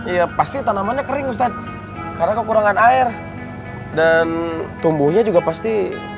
ya pasti tanamannya kering ustadz karena kekurangan air dan tumbuhnya juga pasti